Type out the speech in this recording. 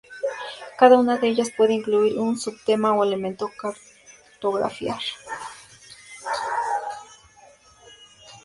Cada una de ellas puede incluir un sub-tema o elemento a cartografiar.